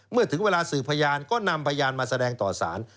เมื่อถึงเวลาสืบพยานก็นำพยานมาแสดงต่อสาร